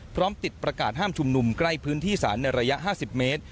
พร้อมติดประกาศห้ามชุมนุมใกล้พื้นที่ศาลในระยะ๕๐เมตร